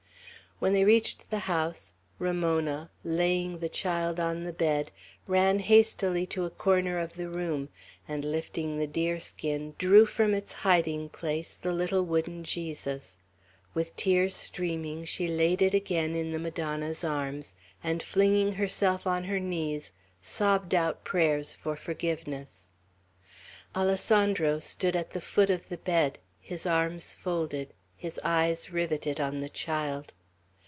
When they reached the house, Ramona, laying the child on the bed, ran hastily to a corner of the room, and lifting the deerskin, drew from its hiding place the little wooden Jesus. With tears streaming, she laid it again in the Madonna's arms, and flinging herself on her knees, sobbed out prayers for forgiveness. Alessandro stood at the foot of the bed, his arms folded, his eyes riveted on the child.